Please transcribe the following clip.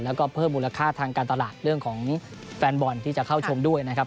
แล้วก็เพิ่มมูลค่าทางการตลาดเรื่องของแฟนบอลที่จะเข้าชมด้วยนะครับ